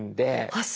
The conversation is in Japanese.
あっ！